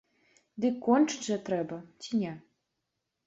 Дык кончыць жа трэба ці не?